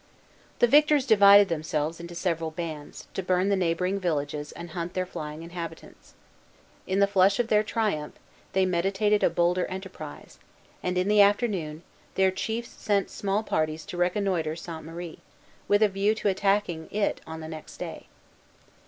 The victors divided themselves into several bands, to burn the neighboring villages and hunt their flying inhabitants. In the flush of their triumph, they meditated a bolder enterprise; and, in the afternoon, their chiefs sent small parties to reconnoitre Sainte Marie, with a view to attacking it on the next day.